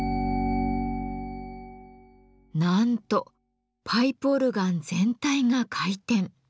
なんとパイプオルガン全体が回転。